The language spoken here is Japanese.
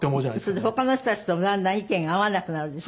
それで他の人たちともだんだん意見が合わなくなるでしょ？